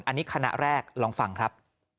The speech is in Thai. อันนี้คณะแรกลองฟังครับ